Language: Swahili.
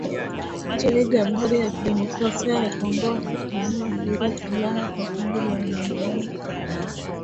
nchini Jamhuri ya Kidemokrasi ya Kongo wakituhumiwa kuuza silaha kwa kundi la wanamgambo